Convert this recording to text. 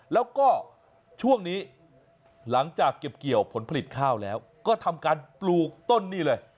แล้วก็ช่วงนี้หลังจากเก็บเกี่ยวผลผลิตข้าวแล้วก็ทำการปลูกต้นนี่เลย